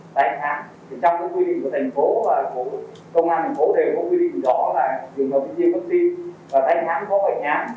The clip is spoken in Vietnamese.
tại hãng trong các quy định của thành phố và công an thành phố đều có quy định rõ là trường hợp đi kiếm vaccine